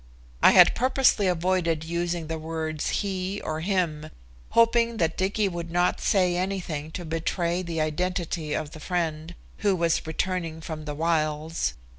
I had purposely avoided using the words "he" or "him," hoping that Dicky would not say anything to betray the identity of the "friend" who was returning from the wilds.